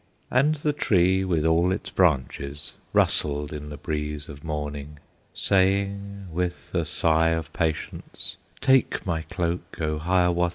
And the tree with all its branches Rustled in the breeze of morning, Saying, with a sigh of patience, "Take my cloak, O Hiawatha!"